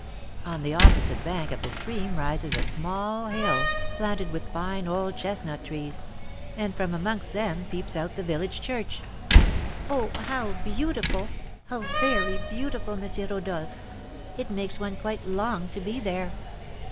On the opposite bank of the stream rises a small hill, planted with fine old chestnut trees; and from amongst them peeps out the village church " "Oh, how beautiful, how very beautiful, M. Rodolph! It makes one quite long to be there."